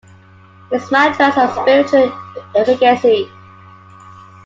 His mantras have spiritual efficacy.